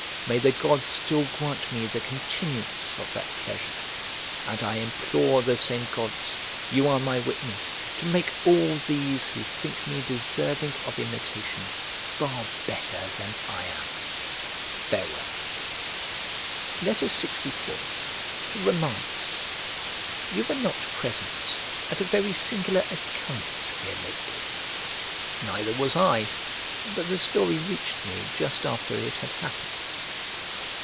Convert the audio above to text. May the gods still grant me the continuance of that pleasure! And I implore the same gods, you are my witness, to make all these who think me deserving of imitation far better than I am, Farewell. LXIV To ROMANUS You were not present at a very singular occurrence here lately: neither was I, but the story reached me just after it had happened.